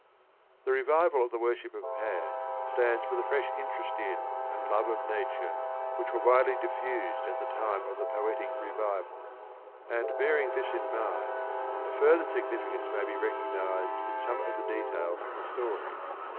The revival of the worship of Pan stands for the fresh interest in and love of nature which were widely diffused at the time of the poetic revival ; and bearing this in mind a further significance may be recognised in some of the details of the story.